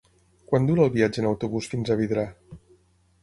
Quant dura el viatge en autobús fins a Vidrà?